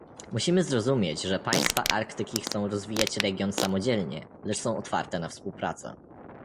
musimy zrozumieć, że państwa Arktyki chcą rozwijać region samodzielnie, lecz są otwarte na współpracę